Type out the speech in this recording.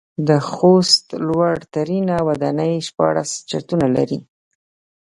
د خوست لوړ ترينه وداني شپاړس چتونه لري.